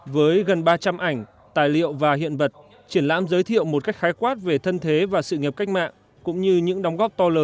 với gần ba trăm linh ảnh tài liệu và hiện vật triển lãm giới thiệu một cách khai quát về thân thế và sự nghiệp cách mạng